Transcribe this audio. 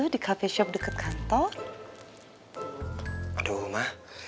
di cafe biasa ya